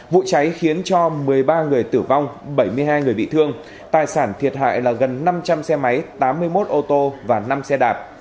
vụ cháy khiến cho một mươi ba người tử vong bảy mươi hai người bị thương tài sản thiệt hại là gần năm trăm linh xe máy tám mươi một ô tô và năm xe đạp